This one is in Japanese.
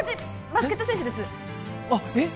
バスケット選手ですあっえっ